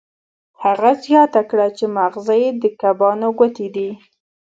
هغه زیاته کړه چې ماغزه یې د کبانو ګوتې دي